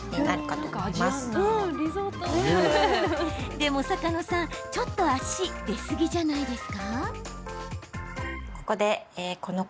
でも坂野さん、ちょっと脚出すぎじゃないですか？